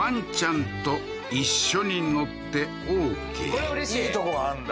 これうれしいいいとこがあんだ